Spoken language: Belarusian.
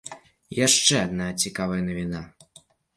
І яшчэ адна цікавая навіна.